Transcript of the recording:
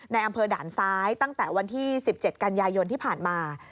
อำเภอด่านซ้ายตั้งแต่วันที่๑๗กันยายนที่ผ่านมา